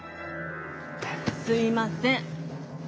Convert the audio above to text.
すいません。